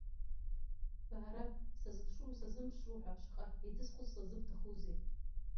Баара сазыԥшру сазымԥшру ҳәа шаҟа еидысхәыцлаз зыбҭахузеи.